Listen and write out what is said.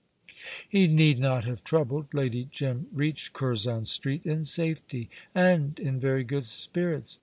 He need not have troubled. Lady Jim reached Curzon Street in safety, and in very good spirits.